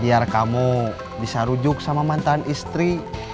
biar kamu bisa rujuk sama mantan istri